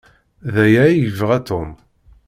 D aya ay yebɣa Tom.